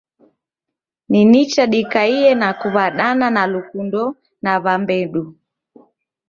Ni nicha dikaiye na kuw'adana na lukundo na w'ambedu.